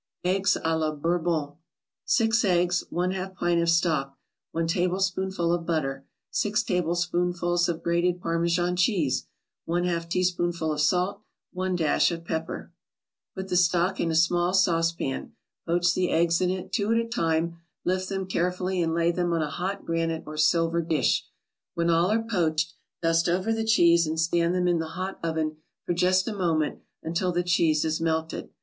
EGGS A LA BOURBON 6 eggs 1/2 pint of stock 1 tablespoonful of butter 6 tablespoonfuls of grated Parmesan cheese 1/2 teaspoonful of salt 1 dash of pepper Put the stock in a small saucepan, poach the eggs in it, two at a time; lift them carefully and lay them on a hot granite or silver dish. When all are poached, dust over the cheese and stand them in the hot oven for just a moment until the cheese is melted.